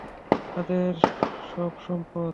তাদের সব সম্পদ।